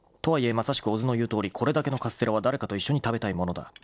とはいえまさしく小津の言うとおりこれだけのカステラは誰かと一緒に食べたいものだ］